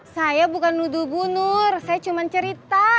saya bukan nuduh bu nur saya cuma cerita